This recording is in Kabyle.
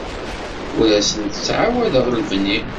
Ur asent-ttɛawadeɣ lebni.